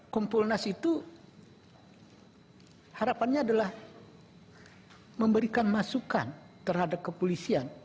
kumpul nas itu harapannya adalah memberikan masukan terhadap kepolisian